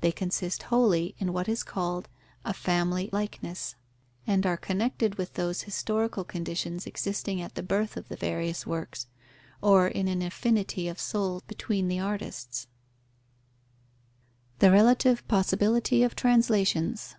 They consist wholly in what is called a family likeness, and are connected with those historical conditions existing at the birth of the various works, or in an affinity of soul between the artists. _The relative possibility of translations.